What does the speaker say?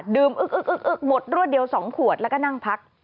อึ๊กหมดรวดเดียว๒ขวดแล้วก็นั่งพัก